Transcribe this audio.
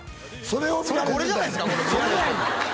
それこれじゃないですか？